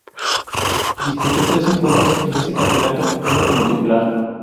Disputó tres encuentros en ese campeonato, uno como titular.